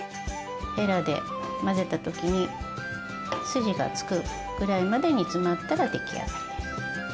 へらで混ぜた時に筋がつくぐらいまで煮つまったら出来上がりです。